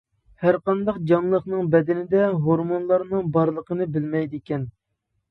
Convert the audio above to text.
ھەرقانداق جانلىقنىڭ بەدىنىدە ھورمۇنلارنىڭ بارلىقىنى بىلمەيدىكەن.